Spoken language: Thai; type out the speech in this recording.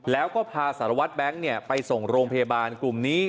แล้วก็พาสารวัตรแบงค์ไปส่งโรงพยาบาลกลุ่มนี้